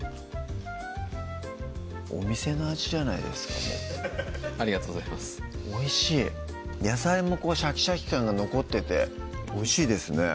お店の味じゃないですかもうありがとうございますおいしい野菜もシャキシャキ感が残ってておいしいですね